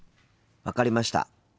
分かりました。